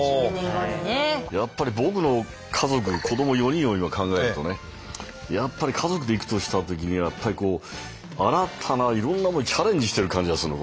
やっぱり僕の家族子ども４人を今考えるとね家族で行くとしたときにやっぱりこう新たないろんなものにチャレンジしてる感じがするの。